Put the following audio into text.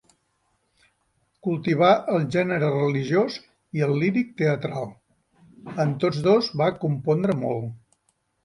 Cultivà el gènere religiós i el líric teatral; en tots dos va compondre molt.